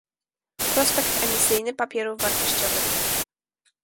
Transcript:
Prospekt emisyjny papierów wartościowych